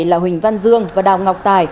là huỳnh văn dương và đào ngọc tài